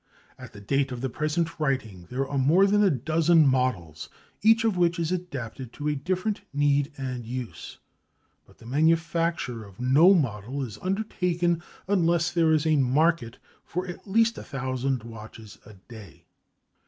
At the date of the present writing, there are more than a dozen models, each of which is adapted to a different need and use, but the manufacture of no model is undertaken unless there is a market for at least a thousand watches a day.